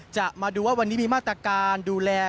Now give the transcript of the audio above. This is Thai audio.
จะมาดูว่าวันนี้มีมาตรการดูแล